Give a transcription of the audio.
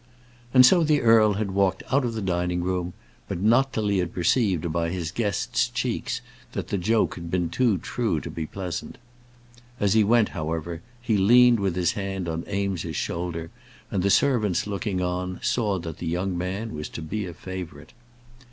And so the earl had walked out of the dining room; but not till he had perceived by his guest's cheeks that the joke had been too true to be pleasant. As he went, however, he leaned with his hand on Eames's shoulder, and the servants looking on saw that the young man was to be a favourite.